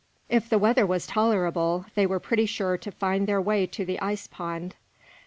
If the weather was tolerable, they were pretty sure to find their way to the ice pond.